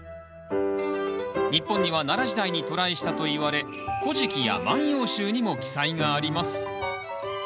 日本には奈良時代に渡来したといわれ「古事記」や「万葉集」にも記載があります。